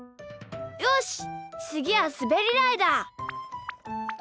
よしつぎはすべりだいだ！